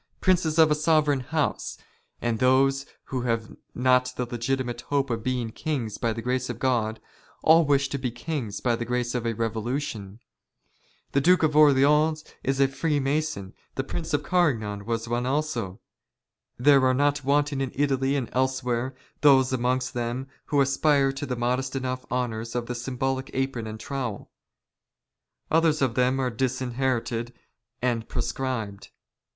Princes of a " sovereign house, and those who have not the legitimate hope 76 WAR OF ANTICHRIST WITH THE CHURCH. " of being kings by the grace of God, all wish to be kings by the " grace of a Kevolution. The Duke of Orleans is a Freemason, " the Prince of Carignan was one also. There are not wanting '' in Italy and elsewhere, those amongst them, who aspire to the " modest enough honours of the symbolic apron and trowel. " Others of them are disinherited and proscribed.